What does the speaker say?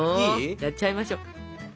やっちゃいましょう。